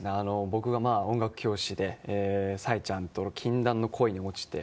僕は音楽教師で冴ちゃんと禁断の恋に落ちて。